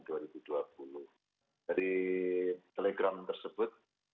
jadi telegram tersebut